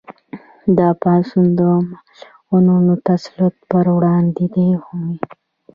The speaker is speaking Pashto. دا پاڅون د مغولو د تسلط پر وړاندې هم و.